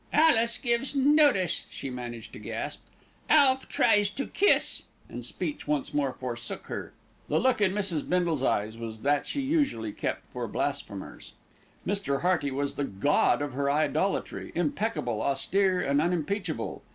"Alice gives notice," she managed to gasp. "Alf tries to kiss " and speech once more forsook her. The look in Mrs. Bindle's eyes was that she usually kept for blasphemers. Mr. Hearty was the god of her idolatry, impeccable, austere and unimpeachable.